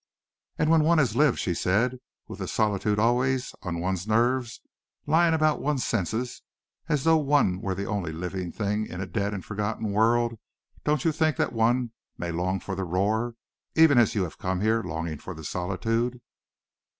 "And when one has lived," she said, "with the solitude always on one's nerves, lying about one's senses, as though one were the only live thing in a dead and forgotten world, don't you think that one may long for the roar, even as you have come here longing for the solitude?"